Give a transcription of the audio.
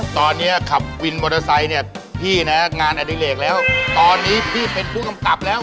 ตอนนี้ขับวินมอเตอร์ไซค์พี่งานเป็นอัดลิเณกแล้ว